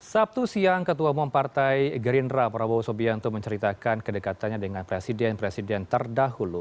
sabtu siang ketua umum partai gerindra prabowo subianto menceritakan kedekatannya dengan presiden presiden terdahulu